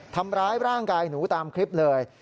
ทำร้ายร่างกายหนูตามคลิปเลย